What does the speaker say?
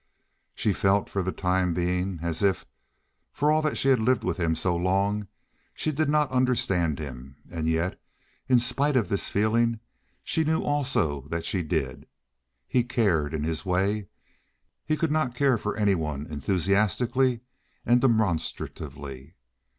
She felt for the time being as if, for all that she had lived with him so long, she did not understand him, and yet, in spite of this feeling, she knew also that she did. He cared, in his way. He could not care for any one enthusiastically and demonstratively.